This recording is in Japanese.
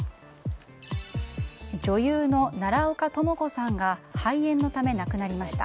女優の奈良岡朋子さんが肺炎のため亡くなりました。